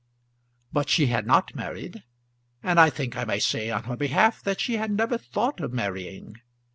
But she had not married, and I think I may say on her behalf that she had never thought of marrying.